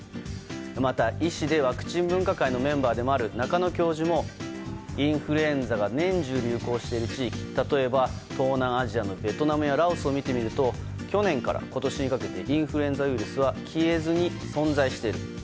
また、医師でワクチン分科会のメンバーでもある中野教授も、インフルエンザが年中、流行している地域例えば東南アジアのベトナムやラオスを見てみると去年から今年にかけてインフルエンザウイルスは消えずに存在している。